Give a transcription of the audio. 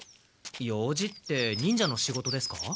用事って忍者の仕事ですか？